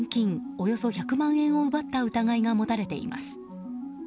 およそ１００万円を奪った疑いが持たれています。